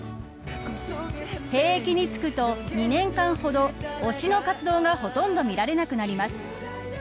兵役に就くと２年間ほど、推しの活動がほとんど見られなくなります。